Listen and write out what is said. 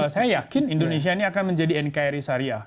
saya yakin indonesia ini akan menjadi nkri syariah